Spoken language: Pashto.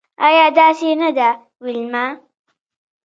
ایا داسې نده ویلما